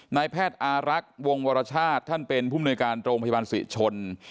นายแพทย์อารักษ์วงวรชาติท่านเป็นผู้มนุยการโรงพยาบาลศรีชน